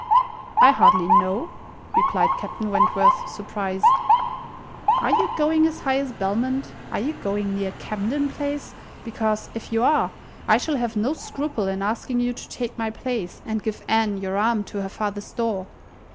"I hardly know," replied Captain Wentworth, surprised. "Are you going as high as Belmont? Are you going near Camden Place? Because, if you are, I shall have no scruple in asking you to take my place, and give Anne your arm to her father's door.